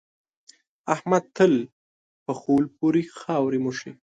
احمد تل په خول پورې خاورې موښي.